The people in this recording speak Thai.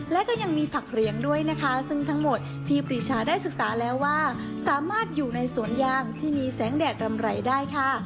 และก็ยังมีผักเรียงด้วยนะคะซึ่งทั้งหมดพี่ปรีชาได้ศึกษาแล้วว่าสามารถอยู่ในสวนยางที่มีแสงแดดรำไรได้ค่ะ